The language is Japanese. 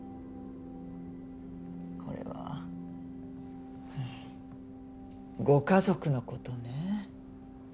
これはうんご家族のことね。